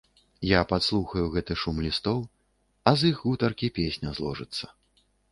Я падслухаю гэты шум лістоў, а з іх гутаркі песня зложыцца.